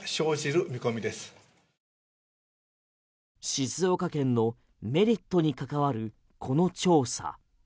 静岡県のメリットに関わるこの調査。